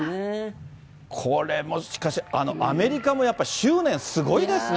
これもしかし、あのアメリカもやっぱり執念すごいですね。